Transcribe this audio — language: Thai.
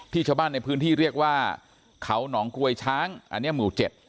ชาวบ้านในพื้นที่เรียกว่าเขาหนองกลวยช้างอันนี้หมู่เจ็ด